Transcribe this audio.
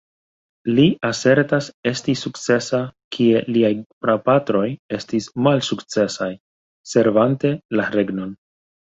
Li asertas esti sukcesa, kie liaj prapatroj estis malsukcesaj, servante la regnon.